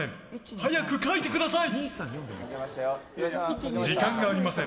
早く書いてください！